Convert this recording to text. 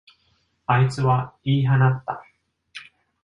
あいつは言い放った。